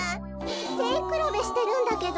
せいくらべしてるんだけど。